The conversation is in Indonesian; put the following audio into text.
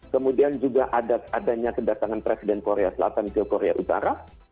kemudian juga adanya kedatangan presiden korea selatan ke korea utara